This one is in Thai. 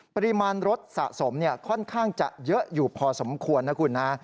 ปริมาณรถสะสมค่อนข้างจะเยอะอยู่พอสมควรนะคุณนะ